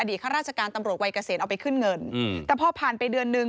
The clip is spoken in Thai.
ข้าราชการตำรวจวัยเกษียณเอาไปขึ้นเงินอืมแต่พอผ่านไปเดือนนึง